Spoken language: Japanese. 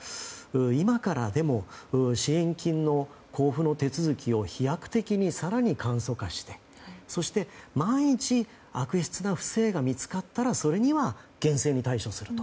今からでも支援金の交付の手続きを飛躍的に更に簡素化してそして万一、悪質な不正が見つかったらそれには厳正に対処すると。